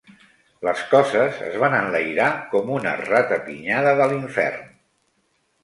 Les coses es van enlairar com una ratapinyada de l'infern.